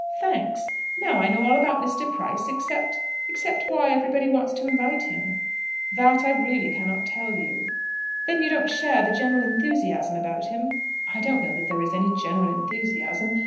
"Thanks. Now I know all about Mr. Price; except except why everybody wants to invite him." "That I really cannot tell you." "Then you don't share the general enthusiasm about him?" "I don't know that there is any general enthusiasm.